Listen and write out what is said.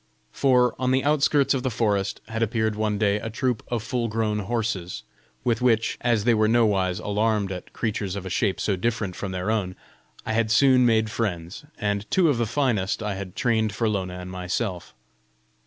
For, on the outskirts of the forest, had appeared one day a troop of full grown horses, with which, as they were nowise alarmed at creatures of a shape so different from their own, I had soon made friends, and two of the finest I had trained for Lona and myself.